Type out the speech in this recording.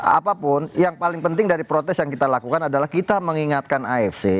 apapun yang paling penting dari protes yang kita lakukan adalah kita mengingatkan afc